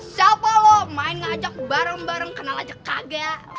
siapa lo main ngajak bareng bareng kenal aja kagak